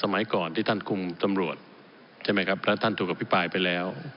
สมัยก่อนที่ท่านคุมตำรวจใช่ไหมครับแล้วท่านถูกอภิปรายไปแล้ว